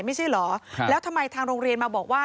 ไม่ใช่เหรอแล้วทำไมทางโรงเรียนมาบอกว่า